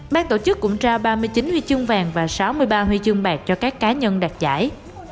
ban tổ chức cũng trao ba mươi chín huy chương vàng và sáu mươi ba huy chương bạc cho các cá nhân đạt giải